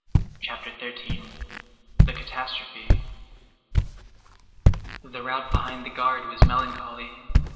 CHAPTER XIII—THE CATASTROPHE The rout behind the Guard was melancholy.